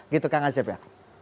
gitu kan asep ya